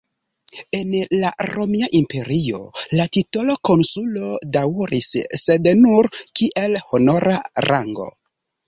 En la Romia Imperio la titolo "konsulo" daŭris, sed nur kiel honora rango.